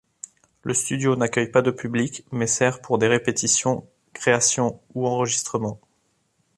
Le Studio n'accueille pas de public mais sert pour des répétitions, créations ou enregistrements.